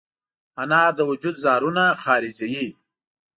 انار د وجود زهرونه خارجوي.